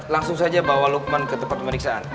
langsung saja bawa lukman ke tempat pemeriksaan